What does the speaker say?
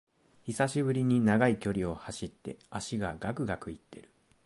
久しぶりに長い距離を走って脚がガクガクいってる